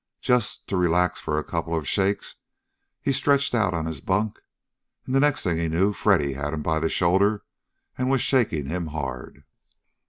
Just to "relax for a couple of shakes" he stretched out on his bunk, and the next thing he knew Freddy had him by the shoulder and was shaking him hard.